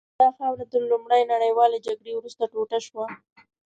دا خاوره تر لومړۍ نړیوالې جګړې وروسته ټوټه شوه.